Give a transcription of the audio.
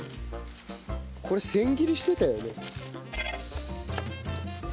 これ千切りしてたよね？